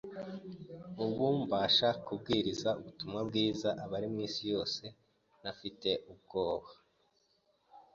Ubu mbasha kubwiriza ubutumwa bwiza abari mu isi yose ntafite ubwoba